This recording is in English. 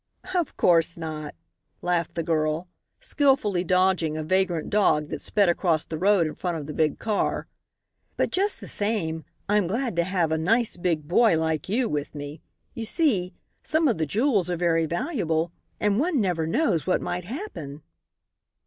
"Of course not," laughed the girl, skillfully dodging a vagrant dog that sped across the road in front of the big car; "but just the same, I'm glad to have a nice big boy like you with me. You see, some of the jewels are very valuable, and one never knows what might happen."